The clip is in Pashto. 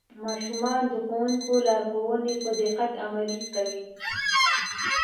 ماشومان د ښوونکي لارښوونې په دقت عملي کوي